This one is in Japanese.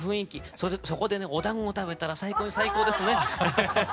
そこでねおだんごを食べたら最高ですね。